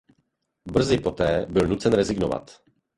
Brzy poté byl nucen rezignovat.